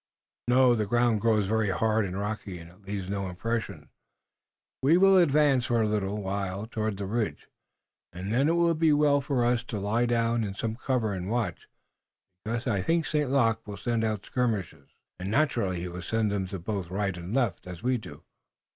"No, the ground grows very hard and rocky, and it leaves no impression. We will advance for a little while toward the ridge, and then it will be well for us to lie down in some cover and watch, because I think St. Luc will send out skirmishers." "And naturally he will send them to both right and left as we do."